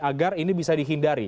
agar ini bisa dihindari